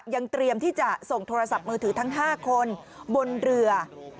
ยังเตรียมที่จะส่งโทรศัพท์มือถือทั้ง๕คนบนเรือ